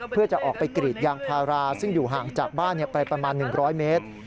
เพื่อจะออกไปกรีดยางพาราซึ่งอยู่ห่างจากบ้านไปประมาณ๑๐๐เมตร